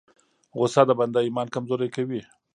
غصه د بنده ایمان کمزوری کوي.